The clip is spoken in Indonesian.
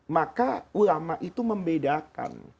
maka ulama itu membedakan